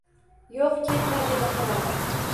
Yo‘q, ketma! — dedi qirol.